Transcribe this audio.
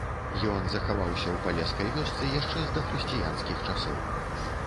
Ён захаваўся ў палескай вёсцы яшчэ з дахрысціянскіх часоў.